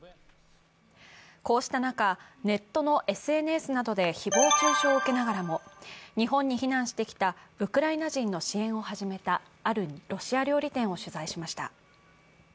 こうした中、ネットのＳＮＳなどで誹謗中傷を受けながらも日本に避難してきたウクライナ人の支援を始めたあるロシア料理店を取材しました。